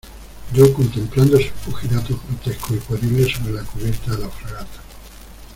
yo contemplando sus pugilatos grotescos y pueriles sobre la cubierta de la fragata